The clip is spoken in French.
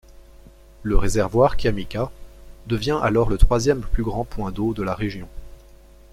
Le réservoir Kiamika devient alors le troisième plus grand point d’eau de la région.